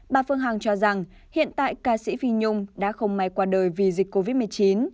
bà phương hằng cho rằng hiện tại ca sĩ phi nhung đã không may qua đời vì dịch covid một mươi chín